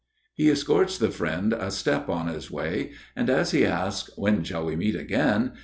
He escorts the friend a step on his way, and as he asks "When shall we meet again?"